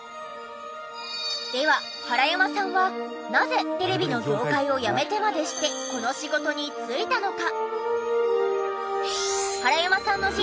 では原山さんはなぜテレビの業界を辞めてまでしてこの仕事に就いたのか？